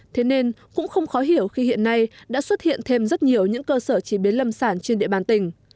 thế nên cũng không khó hiểu khi hiện nay đã xuất hiện thêm rất nhiều những cơ sở chế biến lâm sản trên địa bàn tỉnh